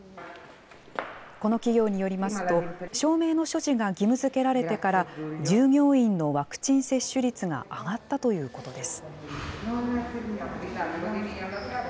この企業によりますと、証明の所持が義務づけられてから、従業員のワクチン接種率が上がったということです。